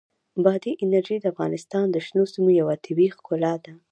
بادي انرژي د افغانستان د شنو سیمو یوه طبیعي ښکلا ده.